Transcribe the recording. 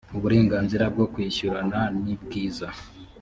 uburenganzira bwo kwishyurana nibwiza